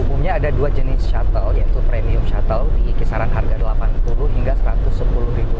umumnya ada dua jenis shuttle yaitu premium shuttle di kisaran harga rp delapan puluh hingga rp satu ratus sepuluh